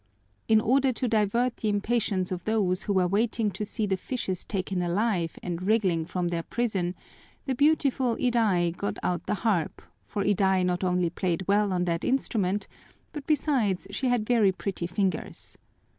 In order to divert the impatience of those who were waiting to see the fishes taken alive and wriggling from their prison, the beautiful Iday got out the harp, for Iday not only played well on that instrument, but, besides, she had very pretty fingers.